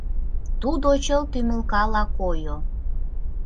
Тудо чылт ӱмылкала койо.